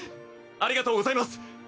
ありがとうございます。